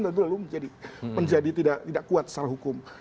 kalau tidak bisa dikawal itu sudah menjadi tidak kuat secara hukum